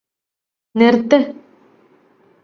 നിര്ത്ത്